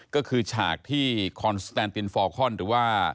ก็คือฉากที่คอนสแตนตินฟอร์คอนหรือว่า